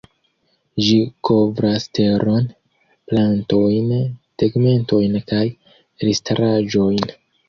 Ĝi kovras teron, plantojn, tegmentojn kaj elstaraĵojn.